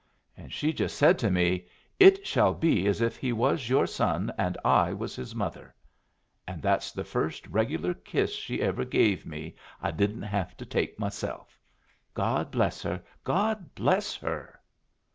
And she just said to me, 'It shall be as if he was your son and I was his mother.' And that's the first regular kiss she ever gave me I didn't have to take myself. God bless her! God bless her!"